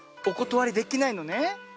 おことわりできないのね？